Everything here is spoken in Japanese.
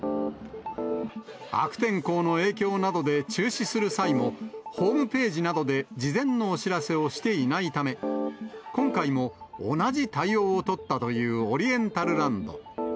悪天候の影響などで中止する際も、ホームページなどで事前のお知らせをしていないため、今回も同じ対応を取ったというオリエンタルランド。